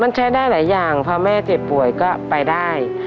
มันใช้ได้หลายอย่างพอแม่เจ็บป่วยก็ไปได้